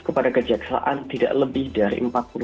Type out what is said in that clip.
kepada kejaksaan tidak lebih dari